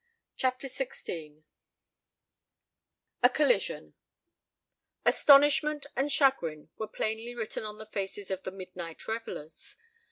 CHAPTER XVI A COLLISION Astonishment and chagrin were plainly written on the faces of the midnight revelers.